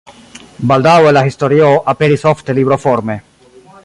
Baldaŭe la historio aperis ofte libroforme.